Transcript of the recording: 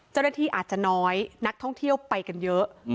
เจ้าหน้าที่อาจจะน้อยนักท่องเที่ยวไปกันเยอะ